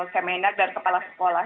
kmnf dan kepala sekolah